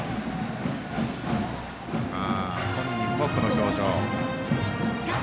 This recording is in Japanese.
本人もこの表情。